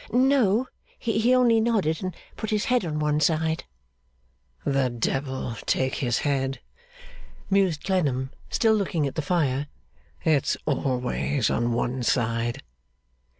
'No; he only nodded and put his head on one side.' 'The devil take his head!' mused Clennam, still looking at the fire; 'it's always on one side.